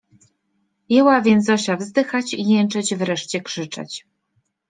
Jęła więc Zosia wzdychać, jęczeć, wreszcie krzyczeć.